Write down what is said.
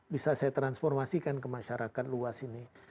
bisa saya transformasikan ke masyarakat luas ini